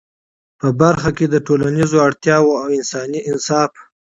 په برخه کي د ټولنیزو اړتیاوو او انساني انصاف